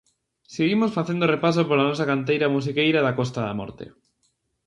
Seguimos facendo repaso pola nosa canteira musiqueira da Costa da Morte.